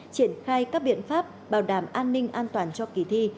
triển khai các biện pháp bảo đảm an ninh an toàn cho kỳ thi